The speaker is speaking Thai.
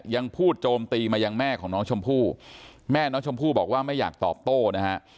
ยังพูดโจมตีมายังแม่ของน้องชมพู่แม่น้องชมพู่บอกว่าไม่อยากตอบโต้นะฮะ